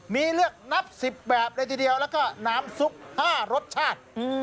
มีเลือกนับ๑๐แบบเลยทีเดียวแล้วก็น้ำซุป๕รสชาติ